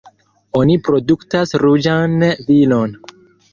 Oni produktas ruĝan vinon.